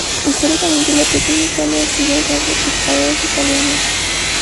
Históricamente, la Pequeña Italia ha sido hogar de pescadores italianos.